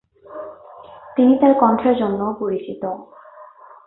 তিনি তার কণ্ঠের জন্যও পরিচিত।